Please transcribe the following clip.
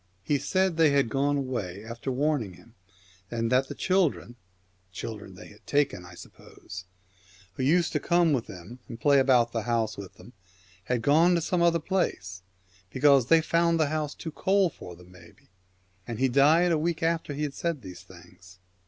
He said they had gone away after warning him, and that the children (children they had ' taken,' I suppose) who used to come with them, and play about the house with them, had 'gone to some other place,' because 'they found the house too cold for them, maybe '; and he died a week after he had said these things.